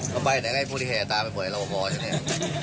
มันไปไหนให้พวกนี้แห่งตาไปเหมือนระบบบอลอย่างนี้